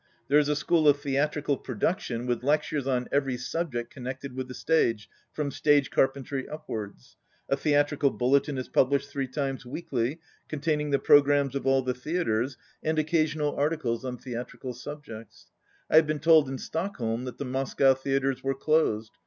There is a School of Theatrical Production, with lectures on every subject connected with the stage, from stage carpentry upwards. A Theatrical Bulletin is pub lished three times weekly, containing the pro grammes of all the theatres and occasional articles 88 on theatrical subjects. I had been told in Stock holm that the Moscow theatres were closed.